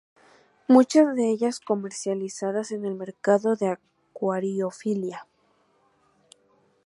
Muchas de ellas comercializadas en el mercado de acuariofilia.